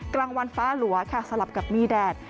กลางวันฟ้าหลัวค่ะสลับกับมีแดด